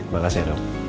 makasih ya dok